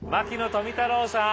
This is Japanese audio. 富太郎さん。